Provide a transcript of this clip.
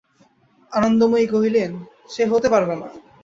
আনন্দময়ী কহিলেন, সে হতে পারবে না।